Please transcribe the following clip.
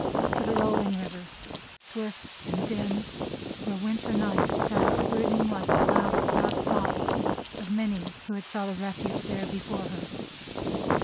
To the rolling River, swift and dim, where Winter Night sat brooding like the last dark thoughts of many who had sought a refuge there before her.